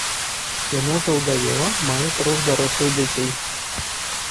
Яна заўдавела, мае трох дарослых дзяцей.